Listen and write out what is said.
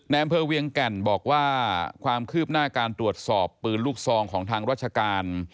อำเภอเวียงแก่นบอกว่าความคืบหน้าการตรวจสอบปืนลูกซองของทางราชการ